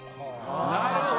なるほど。